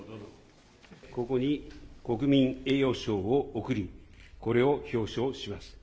ここに国民栄誉賞を贈り、これを表彰します。